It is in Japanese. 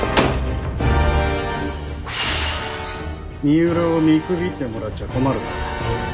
三浦を見くびってもらっちゃ困るな。